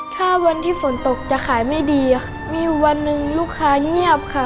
ถ้าวันที่ฝนตกจะขายไม่ดีค่ะมีอยู่วันหนึ่งลูกค้าเงียบค่ะ